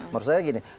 menurut saya gini